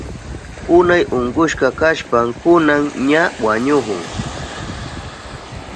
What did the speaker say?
Unay unkushka kashpan kunan ña wañuhun